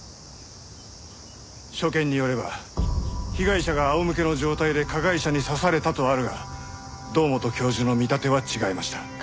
所見によれば被害者が仰向けの状態で加害者に刺されたとあるが堂本教授の見立ては違いました。